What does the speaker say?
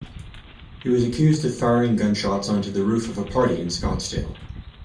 He was accused of firing gunshots onto the roof of a party in Scottsdale.